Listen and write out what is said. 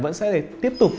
vẫn sẽ tiếp tục